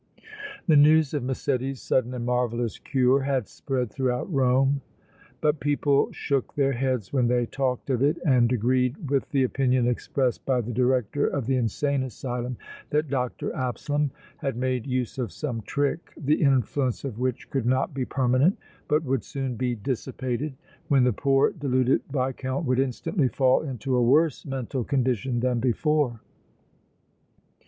The news of Massetti's sudden and marvellous cure had spread throughout Rome, but people shook their heads when they talked of it and agreed with the opinion expressed by the director of the insane asylum that Dr. Absalom had made use of some trick, the influence of which could not be permanent, but would soon be dissipated, when the poor, deluded Viscount would instantly fall into a worse mental condition than before.